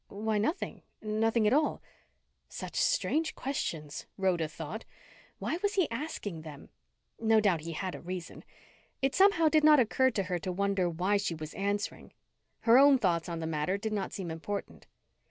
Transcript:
"Why, nothing nothing at all " Such strange questions, Rhoda thought. Why was he asking them? No doubt he had a reason. It somehow did not occur to her to wonder why she was answering. Her own thoughts on the matter did not seem important.